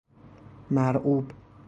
مرعوب